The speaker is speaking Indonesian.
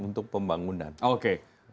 untuk pembangunan oke